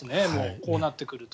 こうなってくると。